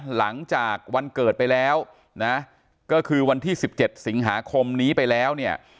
หลังจากวันเกิดไปแล้วนะก็คือวันที่๑๗สิงหาคมนี้ไปแล้วเนี่ย